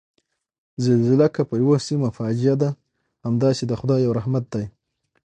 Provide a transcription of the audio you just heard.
زلزله که په یوه سیمه فاجعه ده، همداسې د خدای یو رحمت دی